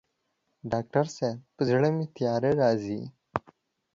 ډاکټر صاحب په زړه مي تیاره راځي